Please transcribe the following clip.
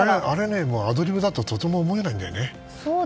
あれ、アドリブだとはとても思えないんだよね。